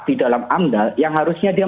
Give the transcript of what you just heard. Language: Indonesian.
di dalam amdal yang harusnya dia